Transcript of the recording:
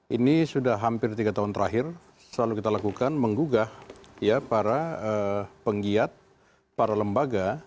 ini sudah hampir tiga tahun terakhir selalu kita lakukan menggugah para penggiat para lembaga